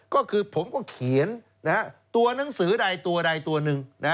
ก็คือผมก็เขียนตัวหนังสือใดตัวใดตัวหนึ่ง